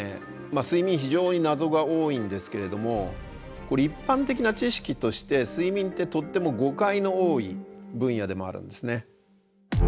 睡眠非常に謎が多いんですけれども一般的な知識として睡眠ってとっても誤解の多い分野でもあるんですね。